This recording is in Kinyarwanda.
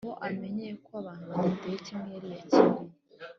aho amenyeye ko abantu badateye kimwe yariyakiriye,